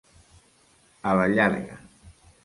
A la llarga.